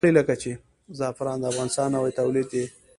زعفران د افغانستان نوی تولید دی.